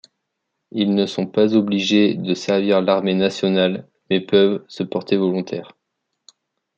Ils ne sont pas obligés de servir l'armée nationale mais peuvent se porter volontaires.